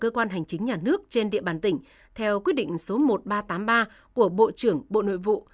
cơ quan hành chính nhà nước trên địa bàn tỉnh theo quyết định số một nghìn ba trăm tám mươi ba của bộ trưởng bộ nội vụ